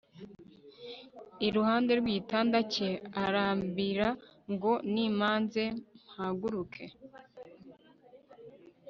iruhande rwigitanda cye arambwira ngo nimanze mpaguruke